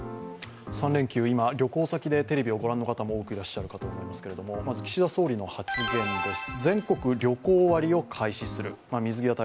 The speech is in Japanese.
３連休、今、旅行先でテレビを御覧の皆さんも多くいらっしゃると思いますが、岸田総理の発言です。